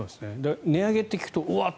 値上げって聞くとおわっ！